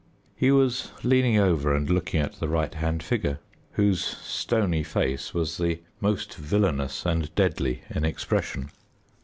He was leaning over and looking at the right hand figure, whose stony face was the most villainous and deadly in expression.